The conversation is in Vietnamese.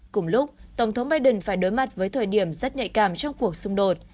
cùng lúc tổng thống biden phải đối mặt với thời điểm rất nhạy cảm trong cuộc xung đột